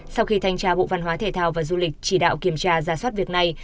sau khi thanh tra bộ văn hóa thể thao và du lịch chỉ đạo kiểm tra ra soát việc này